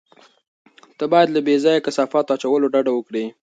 ته باید له بې ځایه کثافاتو اچولو ډډه وکړې.